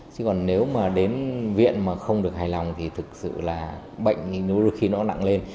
chứ còn nếu mà đến viện mà không được hài lòng thì thực sự là bệnh nu được khi nó nặng lên